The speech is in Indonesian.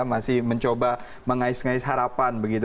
masih mencoba mengais ngais harapan begitu